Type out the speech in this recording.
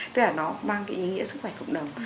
tức là nó mang cái ý nghĩa sức khỏe cộng đồng